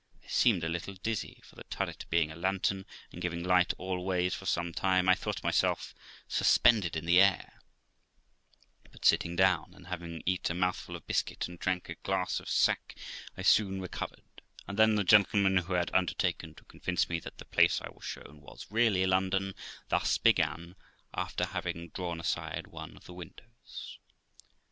I seemed a little dizzy, for the turret being a lantern, and giving light all ways, for some time I thought myself suspended in the airj but sitting down, and having eat a mouthful of biscuit and drank a glass of sack, I soon recovered, and then the gentleman who had undertaken to convince me that the place I was shown was really London, thus began, after having drawn aside one of the windows.